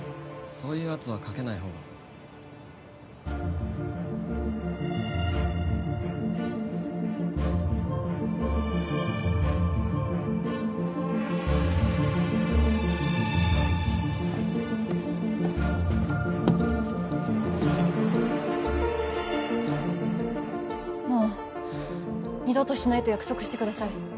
そういう圧はかけないほうがもう二度としないと約束してください